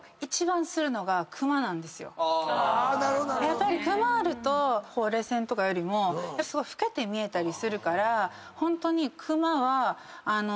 やっぱりクマあるとほうれい線とかよりも老けて見えたりするからホントに。